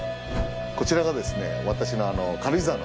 こちらがですね。